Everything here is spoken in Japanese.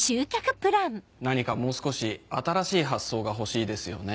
何かもう少し新しい発想がほしいですよね。